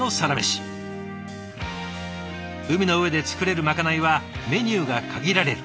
海の上で作れるまかないはメニューが限られる。